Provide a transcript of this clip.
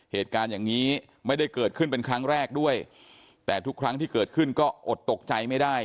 เหตุการณ์อย่างนี้ไม่ได้เกิดขึ้นเป็นครั้งแรกด้วยแต่ทุกครั้งที่เกิดขึ้นก็อดตกใจไม่ได้